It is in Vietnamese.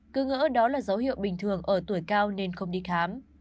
cứ ngỡ đó là dấu hiệu bình thường ở tuổi cao nên không đi khám